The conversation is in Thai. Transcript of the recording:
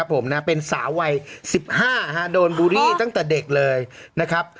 ผมนะเป็นสาววัย๑๕โดนบูรีตั้งแต่เด็กเลยนะครับ